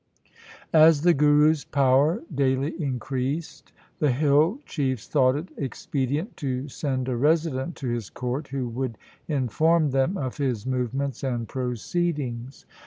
As the Guru's power daily increased, the hill chiefs thought it expedient to send a resident to his court who would inform them of his movements and proceedings.